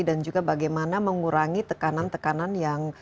dan juga bagaimana mengurangi tekanan tekanan yang